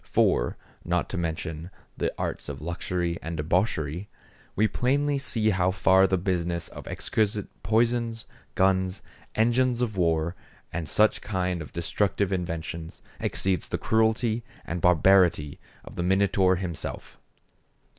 For, not to mention the arts of luxury and debauchery, we plainly see how far the business of exquisite poisons, guns, engines of war, and such kind of destructive inventions, exceeds the cruelty and barbarity of the Minotaur himself.